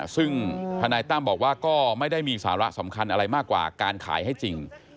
ซึ่งธนายตั้มบอกว่าก็ไม่ได้มีสาระสำคัญอะไรมากกว่าการขายให้จริง